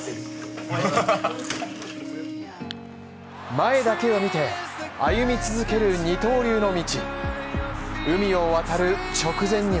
前だけを見て歩み続ける二刀流の道。